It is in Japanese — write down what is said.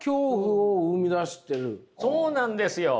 そうなんですよ。